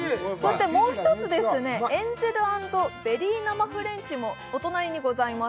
もう１つ、エンゼル＆カスタード生フレンチもお隣にございます。